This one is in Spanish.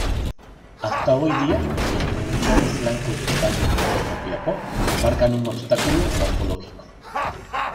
Hasta hoy día los pronunciados flancos del valle de Copiapó marcan un obstáculo morfológico.